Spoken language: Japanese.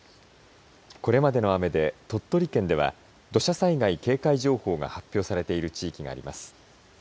これまでの雨で鳥取県では土砂災害警戒情報が発表されている地域があります。